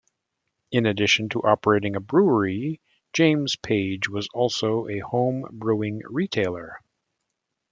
In addition to operating a brewery, James Page was also a home brewing retailer.